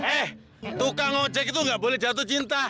eh tukang ojek itu nggak boleh jatuh cinta